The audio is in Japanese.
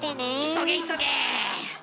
急げ急げ。